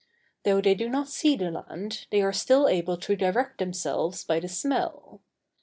Though they do not see the land, they still are able to direct themselves by the smell.